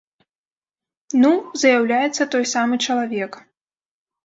Ну, заяўляецца той самы чалавек.